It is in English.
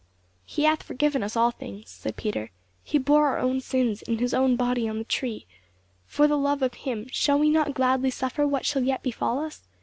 "He hath forgiven us all things," said Peter. "He bore our sins in his own body on the tree. For the love of him, shall we not gladly suffer what shall yet befall us?